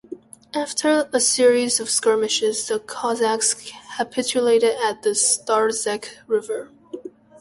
After a series of skirmishes the Cossacks capitulated at the Starzec river.